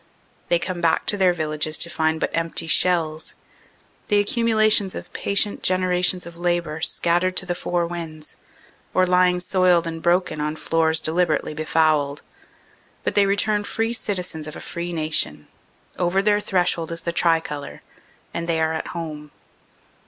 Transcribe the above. They come back to their villages to find but empty shells, the accumu lations of patient generations of labor scattered to the four winds or lying soiled and broken on floors deliberately be fouled but they return free citizens of a free nation; over their threshold is the tricolor, and they are at home.